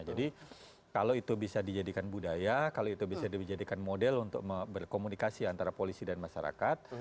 jadi kalau itu bisa dijadikan budaya kalau itu bisa dijadikan model untuk berkomunikasi antara polisi dan masyarakat